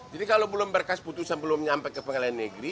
jadi kalau belum berkas putusan belum sampai ke pengelolaan negeri